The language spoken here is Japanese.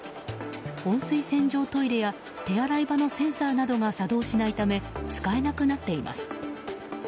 温水洗浄トイレや手洗い場のセンサーなどが作動しないため使えなくなっています。